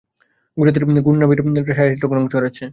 স্বজাতির গুণগরিমার উপর সাহিত্যিক রঙ চড়াচ্ছে।